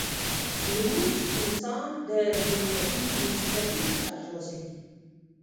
لمونځ انسان د دنیايي مصیبتونو څخه خلاصوي.